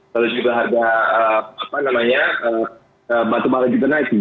lalu juga harga apa namanya batu bala juga naik